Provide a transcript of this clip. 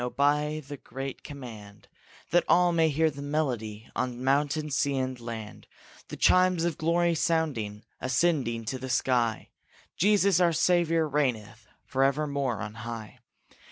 Obey the great command, That all may hear their melody On mountain, sea, and land, The chimes of glory sounding, Ascending to the sky; Jesus our Savior reigneth Forever more on high.